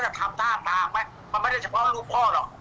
ทำท่าทางไหมมันไม่ได้เฉพาะลูกพ่อหรอก